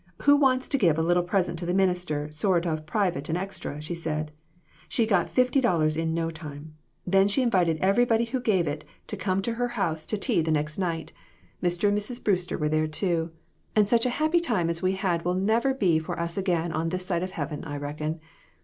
' Who wants to give a little present to the min ister, sort o' private and extra ?' she said. She got fifty dollars in no time. Then she invited everybody who gave it to come to her house 1 88 PERSECUTION OF THE SAINTS. to tea the next night. Mr. and Mrs. Brewster were there, too. And such a happy time as we had will never be for us again on this side of heaven, I reckon.